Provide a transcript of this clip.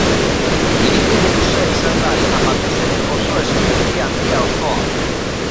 Ibilbidea luzea izan da eta batez ere oso esperientzia handia, osoa.